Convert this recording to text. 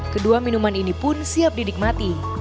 kedua minuman ini pun siap didikmati